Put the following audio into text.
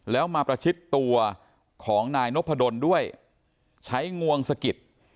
แล้วมาประชิดตัวของนายนพดลด้วยใช้งวงสะกิด